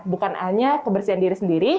bukan hanya kebersihan diri sendiri